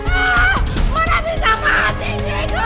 jangan gila kamu citizen